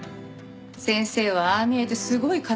先生はああ見えてすごい堅いお方で。